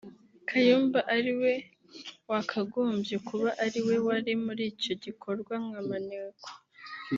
Kayumba ariwe wakagombye kuba ariwe wari muri icyo gikorwa nka maneko